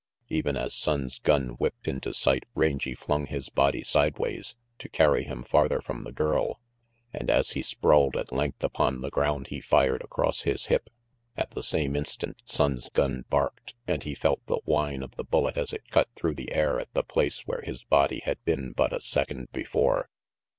Even as Sonnes' gun whipped into sight, Rangy flung his body sideways, to carry him farther from the girl, and as he sprawled at length upon the ground he fired across his hip. At the same instant Sonnes' gun barked, and he felt the whine of the bullet as it cut through the air at the place where his body had been but a second before.